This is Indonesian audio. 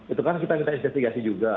itu kan kita yang kita investigasi juga